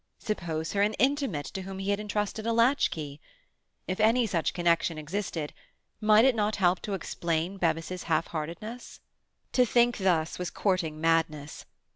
Suppose her an intimate to whom he had entrusted a latchkey. If any such connection existed, might it not help to explain Bevis's half heartedness? To think thus was courting madness.